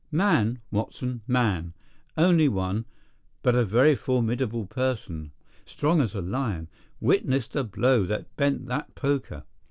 "Man, Watson, man. Only one, but a very formidable person. Strong as a lion—witness the blow that bent that poker!